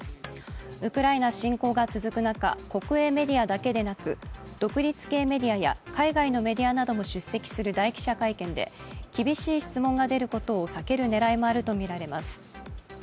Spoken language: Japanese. ウクライナ侵攻が続く中、国営メディアだけでなく独立系メディアや、海外のメディアなども出席する大記者会見で、厳しい質問が出ることを避ける狙いもあるとみられます。